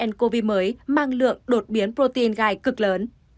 ncov mới mang lượng đột biến protein gai cực lớn